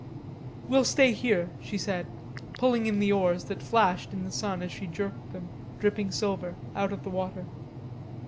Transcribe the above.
"We'll stay here," she said, pulling in the oars that flashed in the sun as she jerked them, dripping silver, out of the water.